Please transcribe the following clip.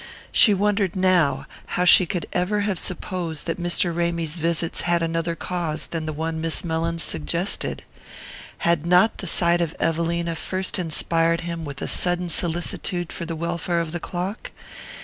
She wondered now how she could ever have supposed that Mr. Ramy's visits had another cause than the one Miss Mellins suggested. Had not the sight of Evelina first inspired him with a sudden solicitude for the welfare of the clock?